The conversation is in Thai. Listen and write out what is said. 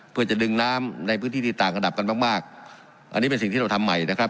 เพื่อจะดึงน้ำในพื้นที่ที่ต่างระดับกันมากมากอันนี้เป็นสิ่งที่เราทำใหม่นะครับ